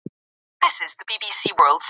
ځان درملنه مه کوئ.